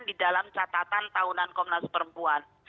di dalam catatan tahunan komnas perempuan